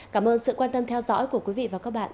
cảm ơn sự quan tâm theo dõi của quý vị và các bạn